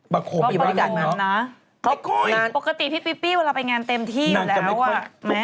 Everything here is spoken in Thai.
ปกติพี่ป๊ิ๊ปปี้เวลาไปงานเต็มที่อยู่แล้ว